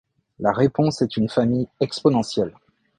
La réponse est une famille exponentielle.